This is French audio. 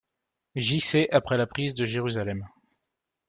J-C après la prise de Jérusalem.